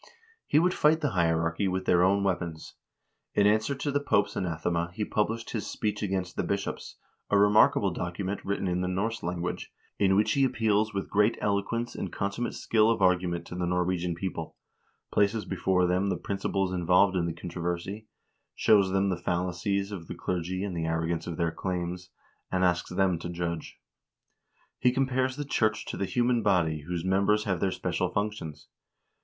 He would fight the hierarchy with their own weapons. In answer to the Pope's anathema he published his "Speech against the Bishops," a remarkable document, written in the Norse language, in which he appeals with great eloquence and consummate skill of argument to the Norwegian people, places before them the principles involved in the controversy, shows them the fal lacies of the clergy and the arrogance of their claims, and asks them to judge. He compares the church to the human body whose mem bers have their special functions.